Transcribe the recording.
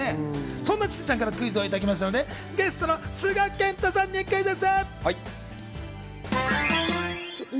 そんなちせちゃんからクイズをいただきましたので、ゲストの須賀健太さんにクイズッス！